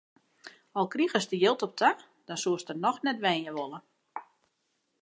Al krigest der jild op ta, dan soest der noch net wenje wolle.